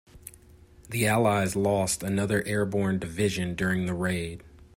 The allies lost another airborne division during the raid.